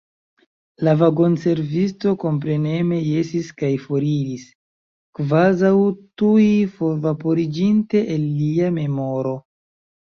La vagonservisto kompreneme jesis kaj foriris, kvazaŭ tuj forvaporiĝinte el lia memoro.